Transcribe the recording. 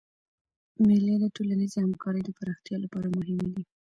مېلې د ټولنیزي همکارۍ د پراختیا له پاره مهمي دي.